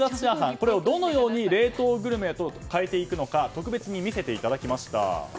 これをどのように冷凍グルメに変えていくのか特別に見せていただきました。